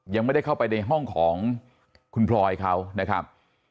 ยังไม่ได้เข้าไปในห้องของคุณพลอยเขานะครับ